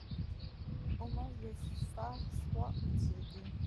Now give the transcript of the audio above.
On mange le far froid ou tiède.